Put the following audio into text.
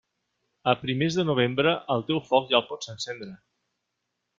A primers de Novembre, el teu foc ja el pots encendre.